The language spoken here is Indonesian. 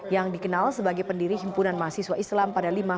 yang dikenal sebagai pendiri himpunan mahasiswa islam pada lima